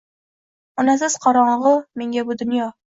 Onasiz qorongu menga bu dunyo